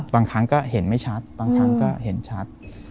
บางครั้งก็เห็นไม่ชัดบางครั้งก็เห็นชัด